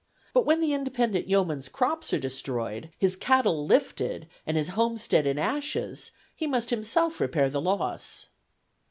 But when the independent yeoman's crops are destroyed, his cattle "lifted," and his homestead in ashes, he must himself repair the loss.